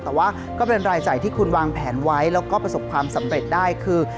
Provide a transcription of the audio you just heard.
แต่ว่าก็เป็นรายจ่ายที่คุณวางแผนไว้แล้วก็ประสบความสำเร็จได้คือ